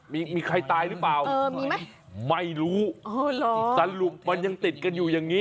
มีมีใครตายหรือเปล่าเออมีไหมไม่รู้เออเหรอสรรลุปมันยังติดกันอยู่อย่างงี้